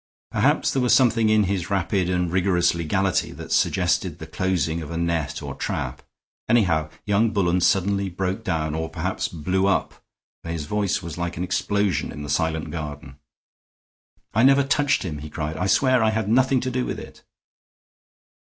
Perhaps there was something in his rapid and rigorous legality that suggested the closing of a net or trap. Anyhow, young Bullen suddenly broke down, or perhaps blew up, for his voice was like an explosion in the silent garden. "I never touched him," he cried. "I swear I had nothing to do with it!"